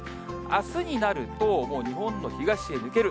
あすになると、日本の東へ抜ける。